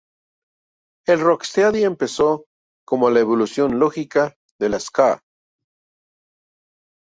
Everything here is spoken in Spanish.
El rocksteady empezó como la evolución lógica del ska.